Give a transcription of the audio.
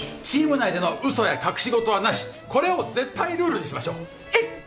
チーム内でのうそや隠し事はなしこれを絶対ルールにしましょう。